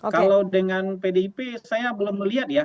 kalau dengan pdip saya belum melihat ya